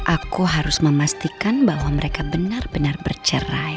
aku harus memastikan bahwa mereka benar benar bercerai